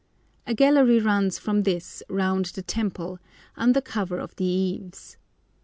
A gallery runs from this round the temple, under cover of the eaves.